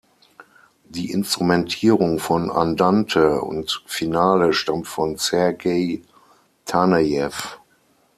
Die Instrumentierung von Andante und Finale stammt von Sergej Tanejew.